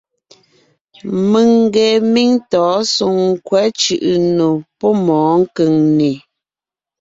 Mèŋ ngee míŋ tɔ̌ɔn Soŋkwɛ̌ Cʉ̀ʼʉnò pɔ́ mɔ̌ɔn Kʉŋnè.